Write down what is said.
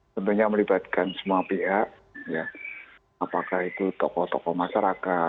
tentunya melibatkan semua pihak apakah itu tokoh tokoh masyarakat